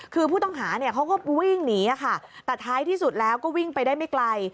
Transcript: คือผู้ต้องหาเนี่ยเขาก็วิ่งหนีค่ะแต่ท้ายที่สุดแล้วก็วิ่งไปได้ไม่ไกล